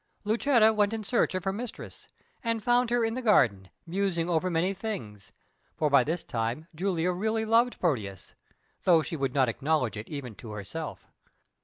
Lucetta went in search of her mistress, and found her in the garden, musing over many things, for by this time Julia really loved Proteus, although she would not acknowledge it even to herself.